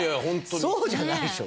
そうじゃないでしょ。